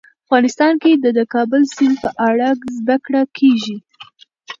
افغانستان کې د د کابل سیند په اړه زده کړه کېږي.